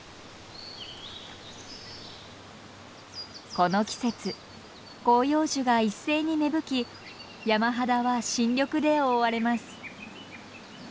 この季節広葉樹が一斉に芽吹き山肌は新緑で覆われます。